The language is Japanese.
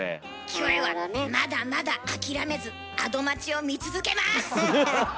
キョエはまだまだ諦めず「アド街」を見続けます！